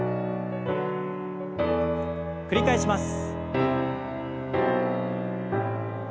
繰り返します。